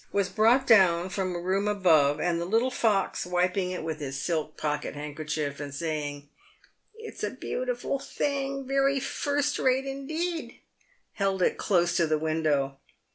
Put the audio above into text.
was brought down from a room above, and the little fox, wiping it with his silk pocket handkerchief, and saying, "It's a beautiful thing — very first rate indeed," held it close to the window.